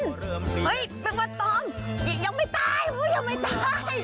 เฮ้ยแม่งวันตองยังไม่ตายโอ๊ยยังไม่ตาย